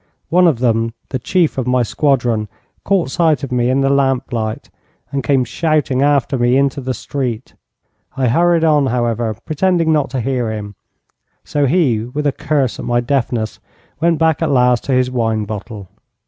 One of them, the chief of my squadron, caught sight of me in the lamplight, and came shouting after me into the street. I hurried on, however, pretending not to hear him, so he, with a curse at my deafness, went back at last to his wine bottle.